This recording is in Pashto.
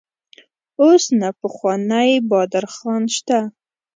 اوس نه پخوانی بادر خان شته.